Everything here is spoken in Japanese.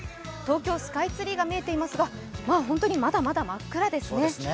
東京スカイツリーが見えていますがまだまだ本当に真っ暗ですね。